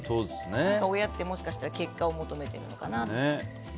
親ってもしかしたら結果を求めてるのかなって。